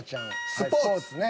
「スポーツ」ね。